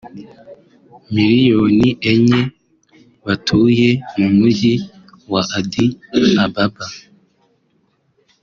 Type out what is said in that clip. miliyoni enye batuye mu mujyi wa Addis Ababa